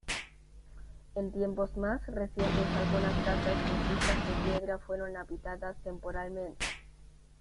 En tiempos más recientes algunas casas sencillas de piedra fueron habitadas temporalmente.